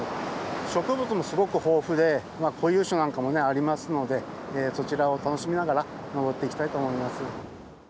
植物もすごく豊富で固有種なんかもありますのでそちらを楽しみながら登っていきたいと思います。